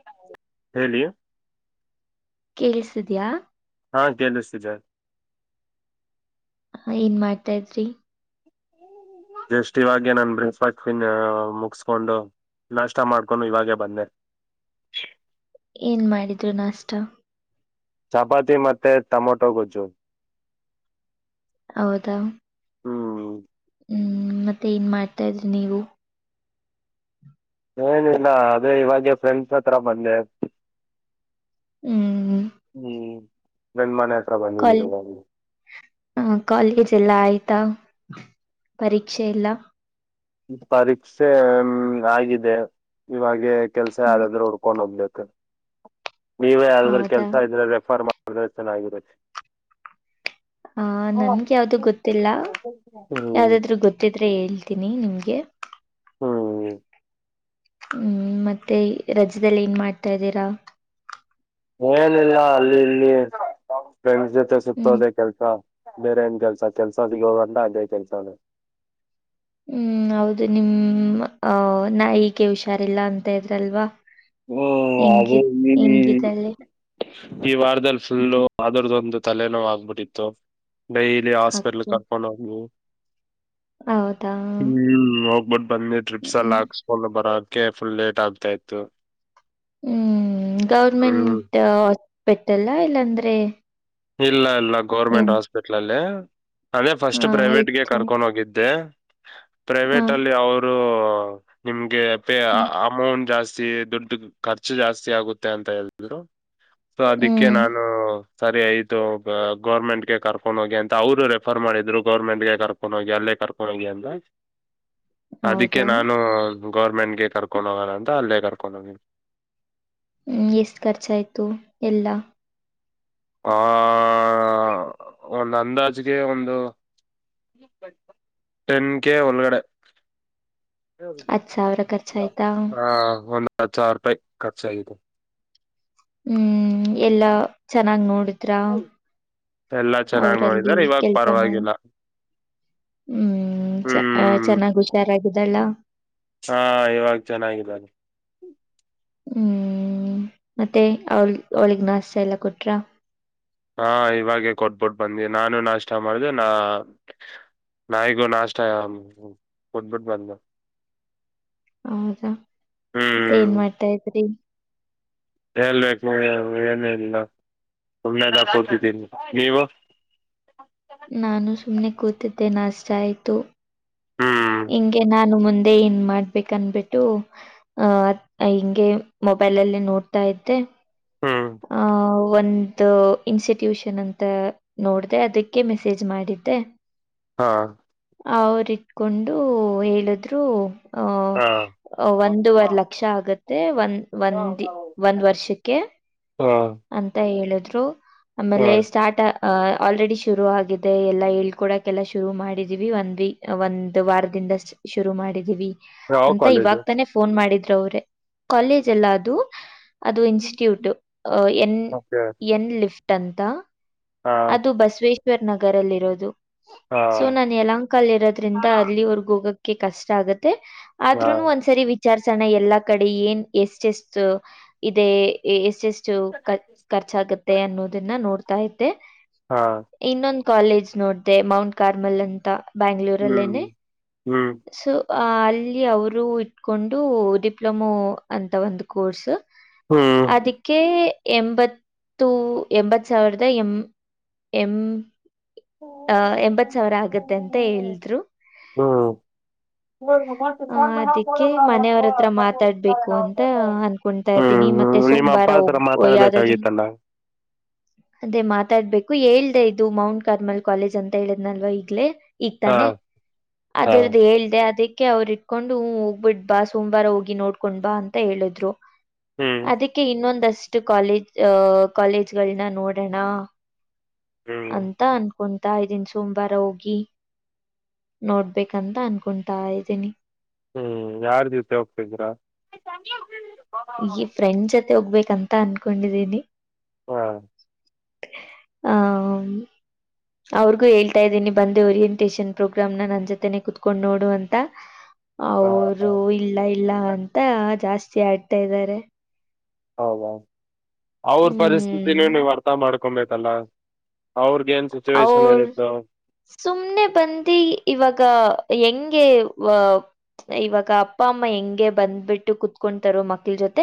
[inaudible] ಹೇಳಿ ಕೇಳಸ್ತದಿಯಾ ಹಾ ಕೇಳಸ್ತಿದೆ ಹ ಏನ್ ಮಾಡ್ತಾ ಇದ್ರಿ ಜಸ್ಟ್ ಇವಾಗೆ ನಾನ್ ಬ್ರೇಕ್ಫಾಸ್ಟ್ನ್ ಮುಗಸ್ಕೊಂಡು ನಾಷ್ಟ ಮಾಡ್ಕೊಂಡು ಇವಾಗೆ ಬಂದೆ ಏನ ಮಾಡಿದ್ರು ನಾಷ್ಟ ಚಪಾತಿ ಮತ್ತೆ ಟೊಮೊಟೊ ಗೊಜ್ಜು ಹೌದಾ ಹ್ಮ್ ಮತ್ತೆ ಏನ ಮಾಡ್ತಾಯಿದ್ರಿ ನೀವು ಏನಿಲ್ಲ ಅದೇ ಇವಾಗೆ ಫ್ರೆಂಡ್ಸ್ ಹತ್ರ ಬಂದೆ ಹ್ಮ್ ಹ್ಮ್ ಫ್ರೆಂಡ್ ಮನೆ ಹತ್ರ ಬಂದಿದ್ದೀನಿ ಇವಾಗೆ ಹ್ಮ್ ಕಾಲೇಜ್ ಎಲ್ಲ ಆಯ್ತಾ ಪರೀಕ್ಷೆ ಎಲ್ಲ ಪರೀಕ್ಷೆ ಆಗಿದೆ ಇವಾಗೆ ಕೆಲ್ಸ ಹ್ಮ್ ಯಾವ್ದಾದ್ರು ಉಡ್ಕೊಂಡ ಹೋಗ್ಬೇಕ ನೀವೆ ಯಾವ್ದಾದ್ರು ಹೌದಾ ಕೆಲಸ ಇದ್ರೆ ರೆಫರ್ ಮಾಡಿದ್ರೆ ಚೆನ್ನಾಗಿರೋತ್ತೆ ಹ ನನ್ಗ ಯಾವ್ದು ಗೊತ್ತಿಲ್ಲ ಹ್ಮ್ ಯಾವ್ದಾದ್ರು ಗೊತ್ತಿದ್ರೆ ಹೇಳ್ತೀನಿ ನಿಮ್ಗೆ ಹ್ಮ್ ಹ್ಮ್ ಮತ್ತೆ ರಜದಲ್ಲಿ ಏನ್ ಮಾಡ್ತಾ ಇದ್ದೀರಾ ಏನಿಲ್ಲ ಅಲ್ಲಿ ಇಲ್ಲಿ ಫ್ರೆಂಡ್ಸ್ ಜೊತೆ ಹ್ಮ್ ಸುತ್ತೋದೆ ಕೆಲ್ಸ ಬೇರೆ ಏನ್ ಕೆಲ್ಸ ಕೆಲ್ಸಗದ ಅಂತ ಅಂದೇ ಕೆಲ್ಸ ಹ್ಮ್ ಹೌದು ನಿಮ್ ಅ ನಾಯಿಗೆ ಹುಷಾರಿಲ್ಲ ಅಂತ ಇದ್ರಲ್ವಾ ಓ ಹೆಂಗಿ ಹೆಂಗಿದಳೆ [unintelligible] [inaudible] ಈ ವಾರದಲ್ಲಿ ಫುಲ್ಲು ಅದರದ್ದೊಂದು ತಲೆನೋವು ಆಗ್ಬಟ್ಟಿತ್ತು ಡೈಯ್ಲಿ ಅಕ್ಕ ಹಾಸ್ಪಿಲ್ ಕರ್ಕೊಂಡ್ ಹೋಗು ಹೌದಾ ಹ್ಮ್ ಹೋಗ್ಬಿಟ್ಟ ಬನ್ನ ಮೇಲ ಡ್ರಿಪಸೆಲ್ ಹ್ಮ್ ಹಾಕ್ ಫುಲ್ ಬರಾಕ್ಕೆ ಫುಲ್ ಲೇಟ್ ಆಗ್ತಾ ಇತ್ತು ಹ್ಮ್ ಗೌರ್ಮೆಂಟ್ ಹ್ಮ್ ಹಾಸ್ಪೆಟಲ್ ಇಲ್ಲಾಂದ್ರೆ ಇಲ್ಲ ಇಲ್ಲ ಗೋರ್ಮೆಂಟ್ ಏನ್ ಹಾಸ್ಪಿಟ್ಲ ಅಲ್ಲಿ ಅದೇ ಫಸ್ಟ್ ಹ ಪ್ರೈವೇಟ್ಗೆ ಎಷ್ಟು ಕರ್ಕೊಂಡು ಹೋಗಿದ್ದೆ ಹ ಪ್ರೈವೇಟ್ ಅಲ್ಲಿ ಅವರು ನಿಮ್ಗೆ ಹ್ಮ್ ಅಮೌಂಟ್ ಜಾಸ್ತಿ ದುಡ್ಡ ಖರ್ಚು ಜಾಸ್ತಿ ಆಗುತ್ತೆ ಅಂತ ಹೇಳಿದ್ರು ಸೊ ಅದಕ್ಕೆ ಹ್ಮ್, ನಾನು ಸರಿಯತ ಗೌರ್ಮೆಂಟ್ಗೆ ಕರ್ಕೊಂಡು ಹೋಗಿ ಅಂತ ಅವ್ರು ರೆಫರ್ ಮಾಡಿದ್ರು ಗೌರ್ಮೆಂಟ್ ಗೆ ಕರ್ಕೊಂಡು ಹೋಗಿ ಅಲ್ಲೇ ಕರ್ಕೊಂಡು ಹೋಗಿ ಅಂತ ಅದಕ್ಕೆ ಹೌದಾ ನಾನು ಗೌರ್ಮೆಂಟ್ಗೆ ಕರ್ಕೊಂಡು ಹೋಗೋಣ ಅಂತ ಅಲ್ಲೇ ಕರ್ಕೊಂಡ್ ಹೋಗಿದೆ ಹ್ಮ ಎಷ್ಟ ಖರ್ಚ ಆಯ್ತು ಎಲ್ಲ ಆ ಒಂದು ಅಂದಾಜ್ಗೆ ಒಂದು ಟೆನ್ ಕೆೇ ಒಳಗಡೆ ಹತ್ ಸಾವಿರ ಖರ್ಚಾಯ್ತಾ ಹಾ ಒಂದ್ ಹತ್ತು ಸಾವಿರ ರೂಪಾಯಿ ಖರ್ಚಾಗಿದೆ ಹ್ಮ್ ಎಲ್ಲಾ ಚೆನ್ನಾಗಿ ನೋಡ ಹತ್ರ ಎಲ್ಲಾ ಚೆನ್ನಾಗ್ ಅವ್ರಲ್ಲಿ ನೋಡಿದಾರೆ ಇವಾಗ ಕೆಲ್ಸ ಮಾಡಿ ಪರವಾಗಿಲ್ಲ ಹ್ಮ್ ಚ ಹ್ಮ್ ಚೆನ್ನಾಗಿ ಹುಷಾರಾಗಿದ್ದಲ್ಲ ಹಾ ಇವಾಗ ಚೆನ್ನಾಗಿದ್ದಾರೆೆ ಹ್ಮ್ ಮತ್ತೆ ಅವಳ ಅವಳಗ್ ನಾಷ್ಟ ಎಲ್ಲ ಕೊಟ್ರ ಹಾ ಇವಾಗೆ ಕೊಟ್ಬಿಟ್ಟ ಬಂದಿ ನಾನು ನಾಷ್ಟ ಮಾಡ್ದ ನಾ ನಾಯಿಗೂ ನಾಷ್ಟ ಕೊಟ್ಬಿಟ್ಟು ಬಂದ ಹೌದಾ ಮತ್ತ ಏನ್ ಹ್ಮ್ ಮಾಡ್ತಾ ಇದ್ರಿ ಹೇಳ್ಬೇಕು ಏನ ಇಲ್ಲ ಸುಮ್ಮೆದಾ ಕತಿದ್ದೀನಿ ನೀವು ನಾನು ಸುಮ್ನೆ ಕೂತಿದ್ದೆ ನಷ್ಟ ಆಯ್ತು ಹ್ಮ್ ಹಿಂಗೆ ನಾನು ಮುಂದೆ ಅದೇ ಏನ್ ಮಾಡ್ಬೇಕ ಅನ್ಬಿಟ್ಟು ಅಹ ಹಿಂಗೆ ಮೊಬೈಲಲ್ಲಿ ನೋಡ್ತಾ ಇದ್ದೆ ಹಾ ಒಂದು ಇನ್ಸ್ಟಿಟ್ಯೂಷನ್ ಅಂತ ನೋಡ್ದ ಅದಕ್ಕೆ ಮೆಸೇಜ್ ಮಾಡಿದ್ದೆ ಹಾ ಅವರು ಇಟ್ಕೊಂಡು ಹೇಳಿದ್ರು ಹಾ ಒಂದವರ್ ಹಾ ಲಕ್ಷ ಆಗತ್ತೆ ಒಂದ್ ಒಂದಿ ಒಂದ್ ವರ್ಷಕ್ಕೆ ಹಾ ಅಂತ ಹೇಳಿದ್ರು ಆಮೇಲೆ ಸ್ಟಾರ್ಟ್, ಅ ಆಲ್ರೆಡಿ ಶುರು ಆಗಿದೆ. ಎಲ್ಲ ಹೇಳ್ಕೊಡಕೆಲ್ಲ ಶುರು ಮಾಡಿದೀವಿ ಒಂದ ವ ಒಂದ ವಾರದಿಂದ, ಶುರು ಮಾಡಿದೀವಿ. ಯಾವ ಅಂತ ಕಾಲೇಜು ಇವಾಗ ತಾನೆ ಫೋನ ಮಾಡಿದ್ರು ಅವ್ರೆ ಕಾಲೇಜ ಇಲ್ಲ ಅದು. ಅದು ಇನ್ಸ್ಟಿಟ್ಯೂಟ್ ಎನ್ ಓಕೆ ಎನ್ ಲಿಫ್ಟ್ ಅಂತ. ಹಾ ಅದು ಬಸವೇಶ್ವರ ನಗರಲ್ಲಿ ಇರೋದು, ಹಾ ಸೊ ನಾನೂ ಯಲಹಂಕ ಕಲ್ಲಿ ಇರೋದ್ರಿಂದ ಅಲ್ಲಿ ಅವರ್ಗ್ ಹೋಗಕ್ಕೆ ಕಷ್ಟ ಆಗತ್ತೆ, ಹಾ ಅದ್ರುನು ಒಂದ್ಸರಿ. ವಿಚಾರ ಸಣ ಎಲ್ಲಾ ಕಡೆ ಏನ ಎಷ್ಟ ಎಷ್ಟ ಇದೆ. ಎಷ್ಟ, ಎಷ್ಟ. ಹೆ ಖರ್ಚಾಗುತ್ತೆ ಅನ್ನೋದನ್ನ ನೋಡ್ತಾ ಇದ್ದೆ. ಹಾ ಇನ್ನೊಂದ ಕಾಲೇಜ ನೋಡಿದೆ, ಮೌಂಟ್ ಕಾರ್ಮಲ್ ಅಂತ. ಹ್ಮ್ ಬ್ಯಾಂಗ್ಳೂರಲ್ಲೇನೆ. ಹ್ಮ್ ಸೊ ಅಲ್ಲಿ ಅವರು ಇಟ್ಕೊಂಡು ಡಿಪ್ಲೊಮೋ, ಅಂತ ಒಂದು ಕೋರ್ಸ್. ಹ್ಮ್ ಅದಕ್ಕೆ, ಎಂಬತ್ತು ಎಂಬತ್ತು ಸಾವಿರದ ಎಂ ಎಂ ಅಹ ಎಂಬತ ಸಾವಿರ ಆಗತ್ತೆ ಅಂತ ಹೇಳಿದ್ರು. ಹ್ಮ ಇ ಆ ಸಡ ಕೂಡ ಅದಕ್ಕೆ ಅ [inaudible] ಮನೆಯವ್ರ ಹತ್ರ ಮಾತಾಡ್ಬೇಕು ಣಂತ ಅಂತ [unintelligible] ಅನ್ಕೊಂತಾ ಇದ್ದೀನಿ ಮತ್ತೆ ಹ್ಮ್ ನಿಮ್ಮ ಅಪ್ಪ ಹತ್ರ ಮಾತಾಡ್ಬೇಕಾಗಿತ್ತಲ್ಲ. ಹ ಅದೇ ಮಾತಾಡ್ಬೇಕು ಹೇಳ್ದ ಇದು ಮೌಂಟ್ ಕಾಲ್ಮಲ ಕಾಲೇಜ್ ಅಂತ ಹೇಳಿದ್ನಲ್ವ ಈಗ್ಲೇ ಹಾ ಈಗ್ತಾನೆ ಹಾ ಅದರದ್ದ ಹೇಳ್ದೆ ಅದಕ್ಕೆ ಅವ್ರ. ಹಕೊಂಡು ಹೋಗ್ಬಿಟ್ ಬಾ ಸೋಮವಾರ ಹೋಗಿ ನೋಡ್ಕೊಂಡ ಬಾ ಅಂತ ಹೇಳಿದ್ರು ಹ್ಮ್ ಅದಕ್ಕೆ. ಕೆ ಇನ್ನೊಂದಷ್ಟು ಕಾಲೇಜ ಅಹ ಕಾಲೇಜಗ ಳನ್ನ ನೋಡೋಣ. ಹ್ಮ್ ಅಂತ ಅನ್ಕೊಂತ ಇದೀನಿ, ಸೋಮವಾರ ಹೋಗಿ ನೋಡ. ಬೇಕಂತ ಅನ್ಕೊಂತಾ ಇದ್ದೀನಿ ಹ್ಮ್ ಯಾರ ದಿವಸ ಹೋಗ್ತಿದೀರಾ. ಸಂ ಈ ಫ್ರೆಂಡ ಜೊತೆ ಹೋಗ್ಬೇಕಂತ ಅನ್ಕೊಂಡಿದೀನಿ ಹಾ ಹ ಅವ್ರಿಗೂ ಹೇಳ್ತಾ ಇದ್ದೀನಿ ಬಂದ ಇನ್ವಿಟೇಶನ್ ಪ್ರೋಗ್ರಾಮ್ನ, ನನ್ನ ಜೊತೆಯೇ ಕುೂತ್ಕೊಂಡು ನೋಡು ಅಂತ. ಹಾ ಅವರು ಇಲ್ಲ ಇಲ್ಲ ಅಂತ ಜಾಸ್ತಿ ಆಡ್ತಾ ಇದ್ದಾರೆ. ಹೌದ ಅವ್ರ ಪರಿಸ್ಥಿತಿನೂ, ಹ್ಮ್ ನೀವು ಅರ್ಥ ಮಾಡ್ಕೊಬೇಕಲ್ಲ ಅವ್ರ. ಏನ ಸಿಚುವೇಷನ್ ಅವ್ರು ಇರುತ್ತ. ಸುಮ್ನೆ ಬಂದಿ ಇವಾಗ ಹೆಂಗೆ ವ ಇವಾಗ ಅಪ್ಪ ಅಮ್ಮ ಹೆಂಗೆ ಬಂದ್ಬಿಟ್ಟು ಕುೂತ್ಕೊತಾರ ಮಕ್ಳ ಜೊತೆ.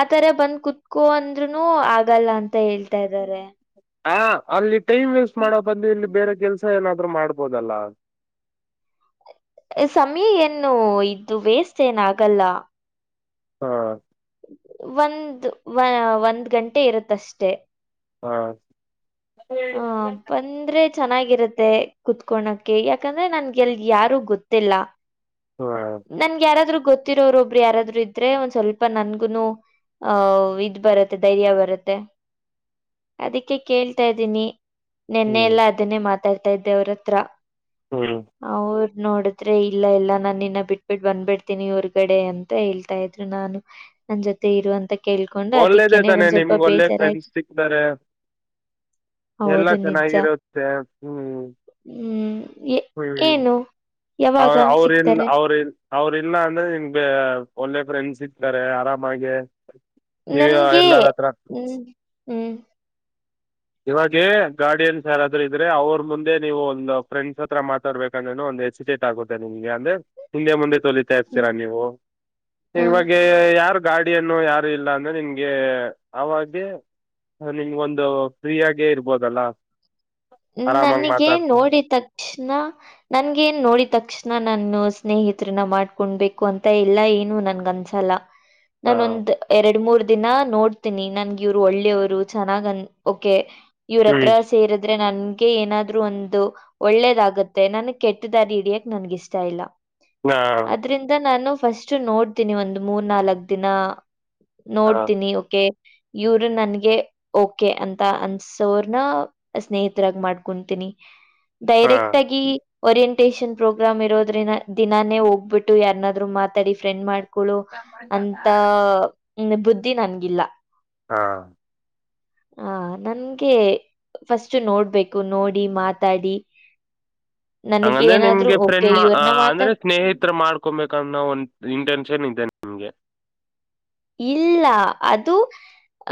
ಆತರ ಬಂದ ಕುೂತ್ಕೊ ಅಂದ್ರ ನೂ ಆಗಲ್ಲ ಅಂತ ಹೇಳ್ತಿ. ಹ ಅಲ್ಲಿ ಟೈಮ್ ವೇಸ್ಟ ಮಾಡ ಬಂದು ಇಲ್ಲಿ ಬೇರೆ ಕೆಲಸ ಏನಾದ್ರು ಮಾಡ್ಬೋದಲ್ಲ. ಸಮಯ ಏನು ಇದ್ದು ವೇಸ್ಟ ಏನ ಆಗಲ್ಲ. ಹ್ಮ ಒಂದ್ ಒಂದ ಗಂಟೆ ಇರುತ್ತಷ್ಟೆ. ಹಾ ಹ ಬಂದ್ರೆ ಚೆನ್ನಾಗಿರತ್ತೆ ಕುತ ಕೊಣಾಕೆ ಯಾಕಂದ್ರೆ ನನಗೆಲ್ಲಿ ಯಾರು ಗೊತ್ತಿಲ್ಲ ಹಾ ನನಗ ಯಾರಾದ್ರು ಗೊತ್ತಿರೋರು ಒಬ್ಬರು ಯಾರಾದ್ರು ಇದ್ರೆ ಒಂದ ಸ್ವಲ್ಪ ನನಗನೂ ಅಹ ಇದ ಬರುತ್ತೆ ಧೈರ್ಯ ಬರುತ್ತೆ ಅದಕ್ಕೆ ಕೇಳ್ತಾ ಇದ ನಿ ನೆನ್ನೆ ಹ್ಮ್ ಎಲ್ಲಾ ಅದನ್ನೇ ಮಾತಾಡ್ತಾ ಇದ್ದೆ ಅವ್ರ ಹತ್ರ ಹ್ಮ್ ಅವರು ನೋಡು ಇಲ್ಲ ಎಲ್ಲಾ ನಾನನ್ನ ಬಿಟ್ಬಿಟ್ಟ ಬಂದ್ಬಿಡ್ತೀನಿ ಹೊರ್ಗಡೆ ಅಂತ ಹೇಳ್ತಾ ಇದ್ರು ನಾನು ನನ್ ಜೊತೆ ಇರುವ ಅಂತ ಕೇಳ್ಕೊಂಡು ಒಳ್ಳೇದೇ ಅದಕ್ಕನೆ ತಾನೆ ಒಂದ್ ಸ್ವಲ್ಪ ನಿಮ್ಗ್ ಒಳ್ಳೆ ಬೇಜಾರಾಯ್ತು ಫ್ರೆಂಡ್ಸ್ ಸಿಕ್ತಾರೆ ಎಲ್ಲಾ ಹೌದು ನಿಜ ಚೆನ್ನಾಗಿರುತ್ತೆ ಹ್ಮ್ ಹ್ಮ್ ಏ ಏನು ಹ ಯಾವಾಗ ಅವ್ರ ನ್ ಸಿಗ್ತಾರೆ ಅವ್ರನ್ ಅವ್ರ ಇಲ್ಲ ಅಂದ್ರೆ ನಿನ್ ಬ ಒಳ್ಳೆ ಫ್ರೆಂಡ್ಸ್ ಇರ್ತಾರೆ ಆರಾಮಾಗೆ ನನ್ಗೆ ಹ್ಮ್ ಹ್ಮ್ ಇವಾಗೆ ಗಾರ್ಡಿಯನ್ ಸ ಯಾರಾದ್ರೂ ಇದ್ರೆ ಅವ್ರ ಮುಂದೆ ನೀವು ಒಂದು ಫ್ರೆಂಡ್ಸ್ ಹತ್ರ ಮಾತ ತರ್ಬೇಕಂದ್ರ ಒಂದು ಹೆಚ್ಚುಟೇಟ್ ಆಗುತ್ತೆ ನಿಮಗೆ ಅಂದ್ರೆ ಹಿಂದೆ ಮುಂದೆ ತಲ ಹ್ಮ್ ತರಿಸತೀರಾ ನೀವು ಹ್ಮ್ ಇವಾಗ ಯಾರ ಗಾಡಿಯನ್ನು ಯಾರು ಇಲ್ಲ ಅಂದ್ರೆ ನಿನಗೆ ಅವಾಗ ನಿಮ್ಗ ಒಂದು. ಫ್ರೀಯಾಗೇ ಇರ್ಬೋದಲ್ಲಾ. ನನಗೇ ನೋಡಿದ ತಕ್ಷಣ ನಂಗೆ ನ್ನೋಡಿದ ತಕ್ಷಣ ನಾನು ಸ್ನೇಹಿತರನ್ನ ಮಾಡ್ಕೊಂಡಬೇಕು ಅಂತ ಇಲ್ಲ ಏನು ನನ್ಗ ಅನ್ಸಲ್ಲ. ಹಾ ನಾನೊಂದ. ಎರಡ್ ಮೂರ್ ದಿನ ನೋಡ್ತೀನಿ ನನ್ಗ ಇವ್ರು ಒಳ್ಳೆಯವ್ರು ಚೆನ್ನಾಗನ್ ಓಕೆ ಇವ್ರ ಹ್ಮ್ ಹತ್ರ ಸೇರಿದ್ರೆ ನನ್ಗೆ ಏನಾದ್ರು ಒಂದು ಒಳ್ಳೇದಾಗುತ್ತೆ ನನ್ಗ್ ಕೆಟ್ಟ ದಾರಿ ಹಿಡಿಯಕ್ ನನ್ಗ ಇಷ್ಟ ಇಲ್ಲ. ನಾ ಅದ್ರಿಂದ ನಾನು ಫಸ್ಟ್ ನೋಡ್ತೀನಿ ಒಂದ ಮೂರ್ ನಾಲ್ಕ್ ದಿನ ಹಾ ನೋಡ್ತೀನಿ ಓಕೆ ಇವ್ರ ನನ್ಗೆ ಓಕೆ ಅಂತ ಅನ್ಸೋ್ರನ ಸ್ನೇಹಿತರಾಗ ಮಾಡ್ಕೊತೀನಿ ಹಾ ಡೈರೆಕ್ಟ್ ಆಗಿ ಓರಿಯಂಟೇಶಷನ್ ಪ್ರೋಗ್ರಾಮ್ ಇರೋದ್ರಿಂನಾ ದಿನಾನೇ ಹೋಗ್ಬಿಟ್ಟು ಯಾರನಾದ್ರು ಮಾತಾಡಿ ಫ್ರೆಂಡ್ ಮಾಡಿ [unintelligible] ಳ ಅಂತ ಬುದ್ಧಿ ನನ್ಗಿಲ್ಲ ಹಾ ಹ ನನ್ಗೆ ಫಸ್ಟ್ ನೋಡ್ಬೇಕು ನೋಡಿ ಮಾತಾಡಿ ಹಂಗಂದ್ರೆ ನನಗೇನಾದ್ರೂ ನಿಮ್ಗೆ ಓಕೆ ಫ್ರೆಂಡ್ ಇವ್ರನ್ನ ಅಂದ್ರೆ ಮಾತಾಡ್ ಸ್ನೇಹಿತ್ರರ ಮಾಡ್ಕೊಬೇಕ ಅನ್ನೋ ಒಂದ್ ಇಂಟೆನ್ಷನ್ ಇದೆ ಹಂಗೆ ಇಲ್ಲಾ ಅದು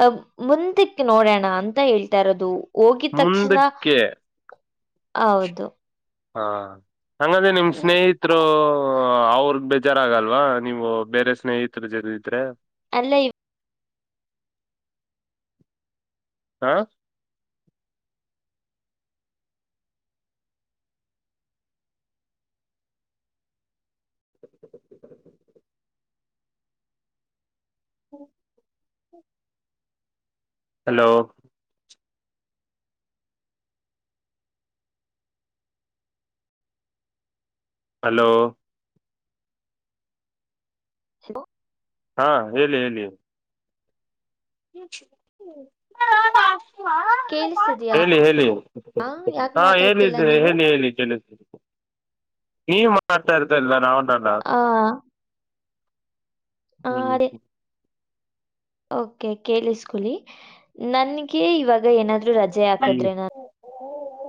ಅ ಮುಂದಕ್ಕ ನೋಡೋಣ ಅಂತ ಹೇಳ್ತಾ ಇರೋದು. ಹೋಗಿದ ತಕ್ಷಣ ಮುಂದಕ್ಕೆ ಹೌದು ಹಾ ಹಂಗಾದ್ರೆ ನಿಮ್ಮ್ ಹ್ಮ್ ಸ್ನೇಹಿತ್ ಅವರ ಬೇಜಾರಗಲ್ವಾ ನೀವು ಬೇರೆ ಸ್ನೇಹಿತರು ಜೊತೆ ಇದ್ರೆ. ಅಲ್ಲ ಇ ಹಾ ಹಾ ಹಲೋ. ಹಲೋ [inaudible] ಹಾ ಹೇಳಿ ಹೇಳಿ [inaudible] [unintelligible] ಕೇಳಿಸ್ತಿದಯಾ ಹೇಳಿ ಹೇಳಿ ಯಾಕ ಹಾ ಮಾತಾಡ್ತಿಲ್ಲ ಹೇಳಿದ್ದ ನೀವು ಹೇಳಿ ಹೇಳಿ ಕೆಳ ನಿ ಮಾಡ್ತಾ ಇರ್ತಲ್ಲ ನಾ ಹಾಆ ಹ್ಮ್ ಓಕೆ ಕೇಳಿಸ್ಕಲಿ ನನ್ಗೆ ಇವಾಗ ಏನಾದ್ರೂ ರಜೆ ಹಾಕದ್ರೆ ನಾನು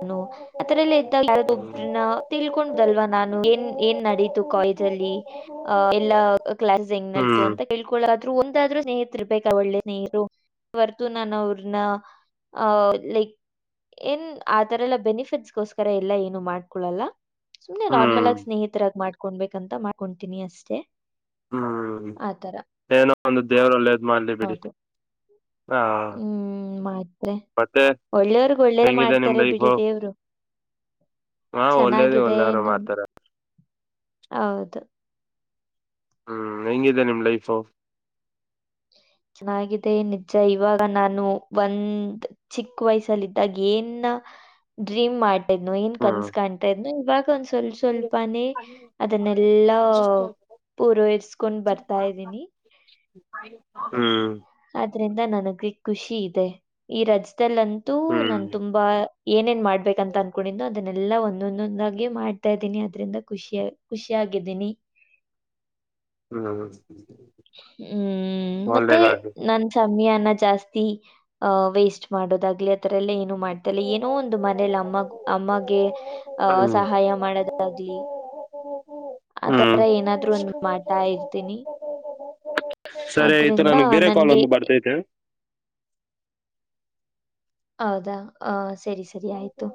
ನೋ ಅದರಲ್ಲಿ ಇದ್ದಾಗ ಯಾರಾದ್ರೂ ಒಬ್ಬರನ್ನ ತಿಳ್ಕೊಂಡ್ಲ್ವಾ ನಾನು ಏನ್ ಏನ್ ನಡೀತು ಕಾಲೇಜ್ ಅಲ್ಲಿ ಅ ಎಲ್ಲಾ ಕ್ಲಾಸ್ ಹೆಂಗಅಯ್ತು ಹ್ಮ್ ಅಂತ ಕೇಳ್ಕೊಳಾದ್ರು ಒಂದಾದ್ರೂ ಸ್ನೇಹತ್ ಇರ್ಬೇಕ ಒಳ್ಳೆ ಸ್ನೇಹರು. [unintelligible] ಅವ್ರ್ನ ಆ ಲೆಂಗ್ ಏನ್ ಆ ತರ ಎಲ್ಲ ಬೆನಿಫಿಟ್ಸ್ಗೋಸ್ಕರ ಎಲ್ಲಾ ಏನು ಮಾಡ್ಕೊಳ್ಳಲ್ಲ ಸುಮ್ನೆ ನಾರ್ಮಲ್ ಹ್ಮ್ ಹ್ಮ್ ಆಗಿ ಸ್ನೇಹಿತರಾಗಿ ಮಾಡ ಹಕೊಬೇಕಂತ ಮಾಡ್ಕೊತೀನಿ ಅಷ್ಟೇ. ಹ್ಮ್ ಆ ಥರ. ಏನೋ ಒಂದು ದೇವ್ರಒಳ್ಳೇದ್ ಮಾಡ್ಲಿ ಬಿಡಿ. ಹೌದು. ಹಾ ಮತ್ತೆ. ಒಳ್ಳೆಯವರ್ಗ್ ಒಳ್ಳೇ ಹೆಂಗಿದೆ ನಿಮ್ ಮಾಡ್ತಾರೆ ಬಿಡಿ ಲೈಫು ದೇವರು.. ಹಾ ಒಳ್ಳೇದ ಚೆನ್ನಾಗಿದೆ ಒಳ್ಳೇರು ನನ್ ಮಾಡ್ತಾರ ಹೌದು. ಹ್ಮ್ ಹೆಂಗಿದೆ ನಿಮ್ ಲೈಫ್. ಚೆನ್ನಾಗಿದೆ ನಿಜ ಇವಾಗ ನಾನು ಒಂದ್.. ಚಿಕ್ಕ ವಯಸಲ್ಲಿದ್ದಾಗ ಏನ್ ಡ್ರೀಮ್ ಮಾಡ ಇನ್ ಹ್ಮ್ ಕನ್ಸ್ಕಾಣ್ ತಾ ಇದ್ನು ಇವಾಗ ಒಂದ್ ಸೊಲ್ಷನ್ ಸ್ವಲ್ಪಾನೇ ಅದನ್ನೆಲ್ಲಾ ಪೂರೈಸ್ಕೊಂಡ್ ಬರ್ತಾ ಇದ್ದೀನಿ. ಹ್ಮ್... ಆದ್ರಿಂದ ನನಗ್ ಖುಷಿ ಇದೆ ಈ ರಜದಲ್ಲಂತೂ ನನ್ ಹ್ಮ್ ತುಂಬಾ... ಏನೇನ್ ಮಾಡ್ಬೇಕಂತ ಅನ್ಕೊಂಡನೋ ಅದನ್ನೆಲ್ಲಾ ಒಂದೊಂದೊಂದಾಗಿ ಮಾಡ್ತಾ ಇದ್ದೀನಿ ಅದ್ರಿಂದ ಖುಷಿಯ.. ಖುಷಿಯಾಗಿದ್ದೀನಿ. ಹ್ಮ ಹ್ಮ್ ಮತ್ತೆ ನನ್... ಸಮಯ ನಾ ಜಾಸ್ತಿ ಹ ವೇಸ್ಟ್ ಮಾಡೋದ ಆಗ್ಲೇ ಅತ್ರ ಎಲ್ಲಾ.,.... ಮಾಡ್ತ ಇಲ್ಲಾ ಏನೋ ಒಂದಮನೇಲಿ ಅಮ್ಮ ಅಮ್ಮಗೆ ಆಹ ಹ್ಮ್ ಸಹಾಯ ಮಾಡೋದಾಗ್ಲಿ....... ಈತರ ಹ್ಮ್ ಏನಾದ್ರು ಒಂದ ಮಾಡ್ತಾ ಇರ್ತೀನಿ..... ಸರಿ ಆಯ್ತು ಅದ್ರಿಂದ ನನ್ಗ್ ಬೇರೆ ಕಾಲ್ ನನ್ಗೆ ಒಂದು ಬರ್ತೈತೆ. ಹೌದಾ ಆ ಸರಿ ಸರಿ ಆಯ್ತು.